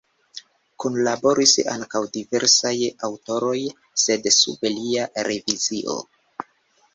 Kunlaboris ankaŭ diversaj aŭtoroj, sed sub lia revizio.